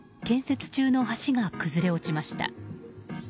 建設中の橋が崩れ落ちました。